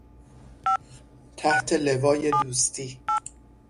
تحت لوای دوستی